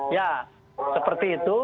ya seperti itu